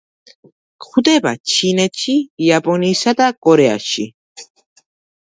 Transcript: გვხვდება ჩინეთში, იაპონიასა და კორეაში.